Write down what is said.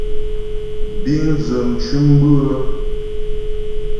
Bíŋ dzə mcʉ̌m bʉ́ə.